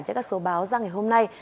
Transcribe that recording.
trên các số báo ra ngày hôm nay